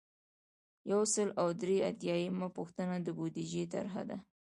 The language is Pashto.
یو سل او درې اتیایمه پوښتنه د بودیجې طرحه ده.